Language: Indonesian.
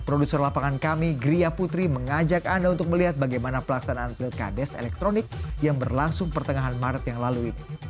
produser lapangan kami gria putri mengajak anda untuk melihat bagaimana pelaksanaan pilkades elektronik yang berlangsung pertengahan maret yang lalu ini